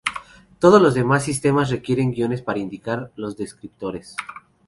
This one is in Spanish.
Todos los demás sistemas requieren guiones para indicar los descriptores.